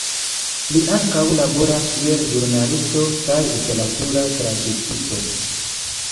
Li ankaŭ laboras kiel ĵurnalisto kaj literatura tradukisto.